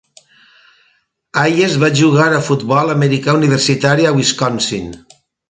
Hayes va jugar a futbol americà universitari a Wisconsin.